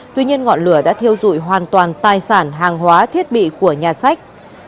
tuy nhiên ngọn lửa đã thiêu dụi hoàn toàn tài sản hàng hóa thiết bị của nhà sách